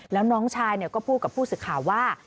แล้วน้องชายก็พูดกับผู้สื่อข่าวว่า